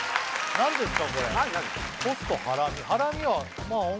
何ですか？